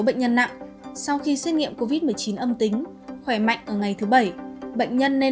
bệnh nhân nặng sau khi xét nghiệm covid một mươi chín âm tính khỏe mạnh ở ngày thứ bảy bệnh nhân nên